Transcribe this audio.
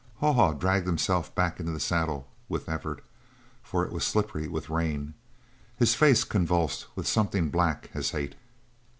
Haw Haw dragged himself back into the saddle with effort, for it was slippery with rain. His face convulsed with something black as hate.